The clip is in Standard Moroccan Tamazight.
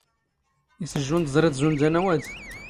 ⵉⵙ ⵊⵊⵓⵏ ⵜⵥⵕⵉⵜ ⵣⵓⵏ ⴷ ⴰⵏⴰⵡ ⴰⴷ?